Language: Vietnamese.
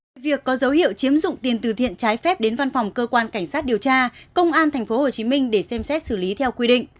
về việc có dấu hiệu chiếm dụng tiền từ thiện trái phép đến văn phòng cơ quan cảnh sát điều tra công an tp hcm để xem xét xử lý theo quy định